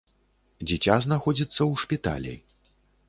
Дзіця знаходзіцца ў шпіталі.